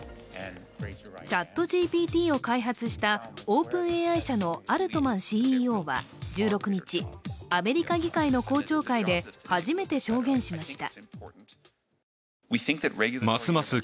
ＣｈａｔＧＰＴを開発したＯｐｅｎＡＩ社のアルトマンＣＥＯは１６日、アメリカ議会の公聴会で初めて証言しました。